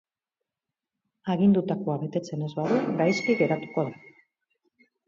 Agindutakoa betetzen ez badu, gaizki geratuko da.